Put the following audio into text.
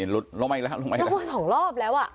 ลุดลงอีกแล้วลุดลงอีกแล้ว๒รอบแล้ว